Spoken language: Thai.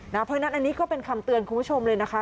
เพราะฉะนั้นอันนี้ก็เป็นคำเตือนคุณผู้ชมเลยนะคะ